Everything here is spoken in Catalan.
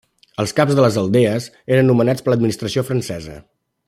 Els caps de les aldees eren nomenats per l'administració francesa.